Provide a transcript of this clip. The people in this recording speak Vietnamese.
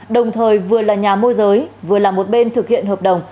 đồng thời vừa là nhà môi giới vừa là một bên thực hiện hợp đồng